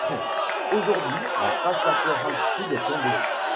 Aujourd'hui la face latérale sud est tombée.